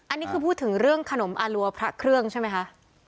อันนี้คือพูดถึงเรื่องขนมอารัวพระเครื่องใช่ไหมคะ